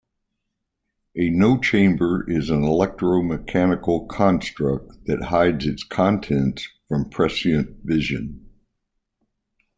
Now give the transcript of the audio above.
A no-chamber is an electro-mechanical construct that hides its contents from prescient vision.